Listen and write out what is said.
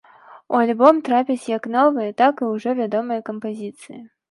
У альбом трапяць як новыя, так і ўжо вядомыя кампазіцыі.